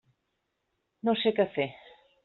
No sé què fer.